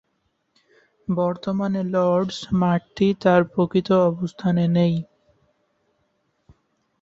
বর্তমানের লর্ডস মাঠটি তার প্রকৃত অবস্থানে নেই।